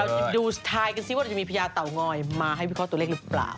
เราดูทายกันซิว่าจะมีพระยาเต่างอยมาให้วิเคราะห์ตัวเล็กหรือเปล่า